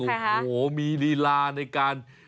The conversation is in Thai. โอ้โหมีลีลาในการ